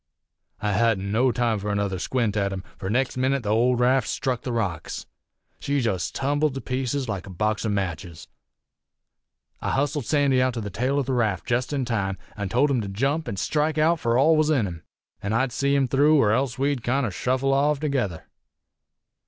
"I hadn't no time fur another squint at him, fur next minit the old raft struck the rocks. She jest tumbled to pieces like a box o' matches. I hustled Sandy out to the tail o' the raft jest in time, an' told him to jump an' strike out fur all was in him, an' I'd see him through er else we'd kinder shuffle off together.